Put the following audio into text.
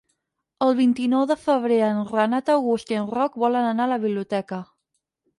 El vint-i-nou de febrer en Renat August i en Roc volen anar a la biblioteca.